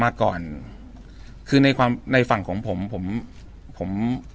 มาก่อนคือในฝั่งของผม